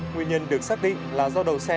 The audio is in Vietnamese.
nguyên nhân được xác định là do đầu xe